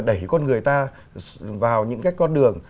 đẩy con người ta vào những cái con đường